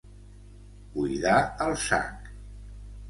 Buidar el sac.